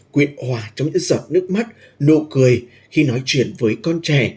quyện hòa trong những giọt nước mắt nụ cười khi nói chuyện với con trẻ